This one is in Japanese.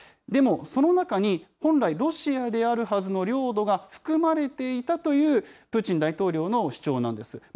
でも、その中に本来ロシアであるはずの領土が含まれていたという、プーチン大統領の主張なんです。